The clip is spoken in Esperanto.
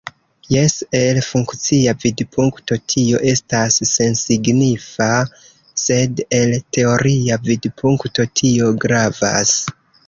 Jes, el funkcia vidpunkto tio estas sensignifa, sed el teoria vidpunkto tio gravas.